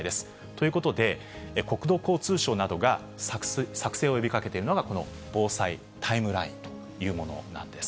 ということで、国土交通省などが作成を呼びかけているのがこの防災タイムラインというものなんです。